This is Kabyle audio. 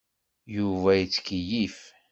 Yuba yettkeyyif.